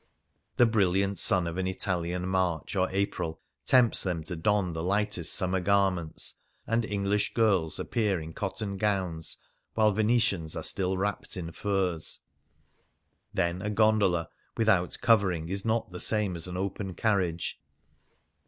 The brilliant sun of an Italian March or April tempts them to don the lightest summer gar ments, and English girls appear in cotton gowns while Venetians are still wrapped in furs. Then a gondola without covering is not the same as an open carriage.